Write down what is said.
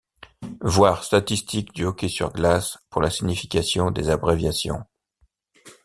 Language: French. Voir Statistiques du hockey sur glace pour la signification des abréviations.